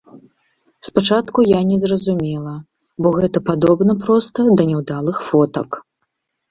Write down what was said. Спачатку я не зразумела, бо гэта падобна проста да няўдалых фотак!